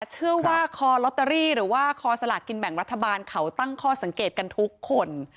เชื่อว่าคอลอตเตอรี่หรือว่าคอสลากินแบ่งรัฐบาลเขาตั้งข้อสังเกตกันทุกคน